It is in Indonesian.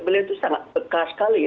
beliau itu sangat bekas sekali ya